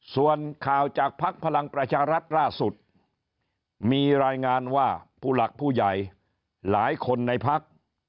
ส่วนข่าวจากภักดิ์พลังประชารัฐล่าสุดมีรายงานว่าผู้หลักผู้ใหญ่หลายคนในพัก